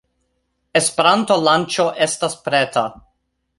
Esperanto-lanĉo estas preta